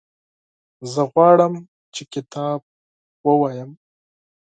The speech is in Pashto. زه غواړم چې کتاب ولولم.